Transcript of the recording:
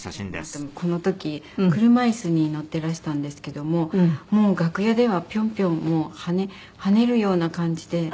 この時車椅子に乗ってらしたんですけどももう楽屋ではピョンピョン跳ねるような感じで。